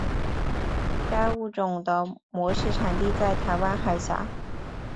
该物种的模式产地在台湾海峡。